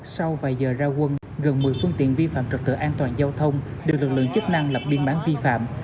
sau vài giờ ra quân gần một mươi phương tiện vi phạm trật tự an toàn giao thông được lực lượng chức năng lập biên bản vi phạm